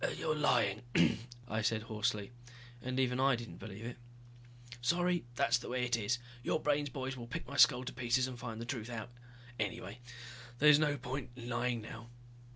"You're lying," I said hoarsely, and even I didn't believe it. "Sorry. That's the way it is. Your brain boys will pick my skull to pieces and find out the truth anyway. There's no point in lying now."